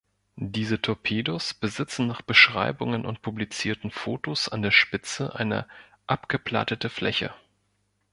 Diese Torpedos besitzen nach Beschreibungen und publizierten Fotos an der Spitze eine abgeplattete Fläche.